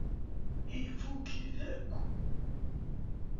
Ifukk-it akk.